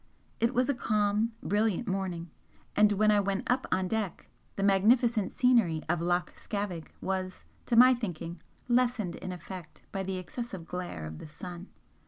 It was a calm, brilliant morning, and when I went up on deck the magnificent scenery of Loch Scavaig was, to my thinking, lessened in effect by the excessive glare of the sun.